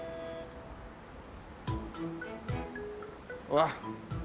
うわっ。